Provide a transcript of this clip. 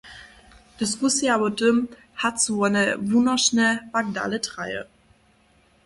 Diskusija wo tym, hač su wone wunošne, pak dale traje.